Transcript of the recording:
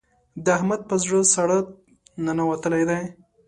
د احمد په زړه ساړه ننوتلې ده.